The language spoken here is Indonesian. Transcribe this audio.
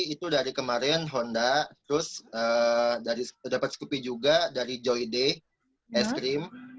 itu dari kemarin honda terus dapat skupi juga dari joy day es krim